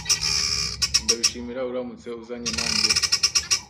Ndabishima uramutse uzanye nanjye.